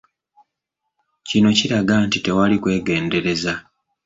Kino kiraga nti tewali kwegendereza.